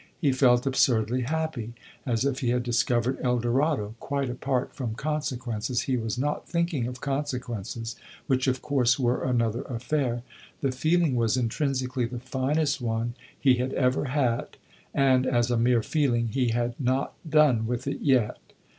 He felt absurdly happy as if he had discovered El Dorado; quite apart from consequences he was not thinking of consequences, which of course were another affair the feeling was intrinsically the finest one he had ever had, and as a mere feeling he had not done with it yet.